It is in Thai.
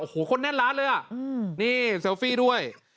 โอ้โหคนแน่นร้านเลยอ่ะนี่เซลฟี่ด้วย